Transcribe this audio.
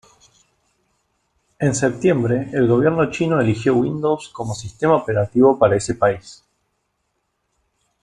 En septiembre, el gobierno chino eligió Windows como sistema operativo para ese país.